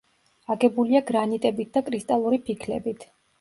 აგებულია გრანიტებით და კრისტალური ფიქლებით.